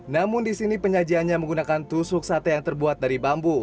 namun di sini penyajiannya menggunakan tusuk sate yang terbuat dari bambu